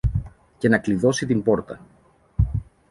και να κλειδώσει την πόρτα.